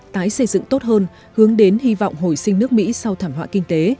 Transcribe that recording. tái xây dựng tốt hơn hướng đến hy vọng hồi sinh nước mỹ sau thảm họa kinh tế